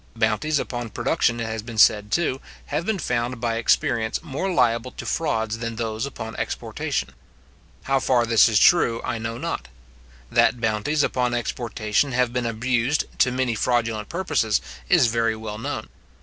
Bounties upon production, it has been said too, have been found by experience more liable to frauds than those upon exportation. How far this is true, I know not. That bounties upon exportation have been abused, to many fraudulent purposes, is very well known.